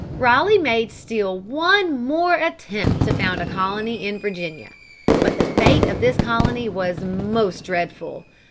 Ralegh made still one more attempt to found a colony in Virginia. But the fate of this colony was most dreadful.